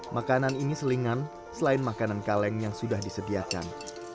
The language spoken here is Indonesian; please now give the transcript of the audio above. makanan ini selingan selain makanan kaleng yang sudah disediakan